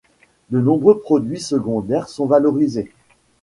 De nombreux produits secondaires sont valorisés.